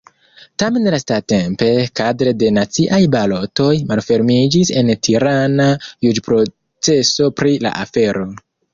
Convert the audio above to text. Tamen lastatempe, kadre de naciaj balotoj, malfermiĝis en Tirana juĝproceso pri la afero.